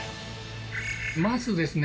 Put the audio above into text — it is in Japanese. まずですね